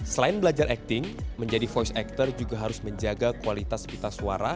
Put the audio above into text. selain belajar acting menjadi voice actor juga harus menjaga kualitas pita suara